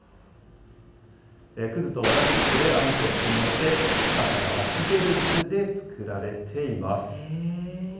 くずとわらび粉であんこを包みまして、地下から湧き出る水で作られています。